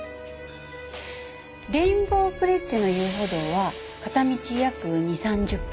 レインボーブリッジの遊歩道は片道約２０３０分。